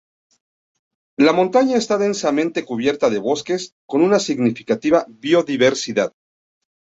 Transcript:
La montaña está densamente cubierta de bosques, con una significativa biodiversidad.